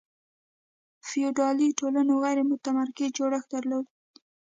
فیوډالي ټولنو غیر متمرکز جوړښت درلود.